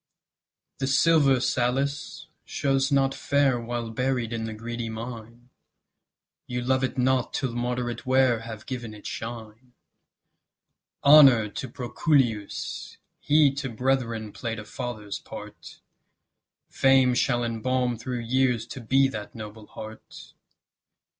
The silver, Sallust, shows not fair While buried in the greedy mine: You love it not till moderate wear Have given it shine. Honour to Proculeius! he To brethren play'd a father's part; Fame shall embalm through years to be That noble heart.